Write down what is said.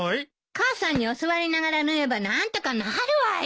母さんに教わりながら縫えば何とかなるわよ。